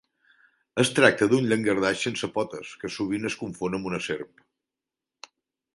Es tracta d'un llangardaix sense potes que sovint es confon amb una serp.